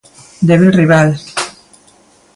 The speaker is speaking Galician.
Débil rival.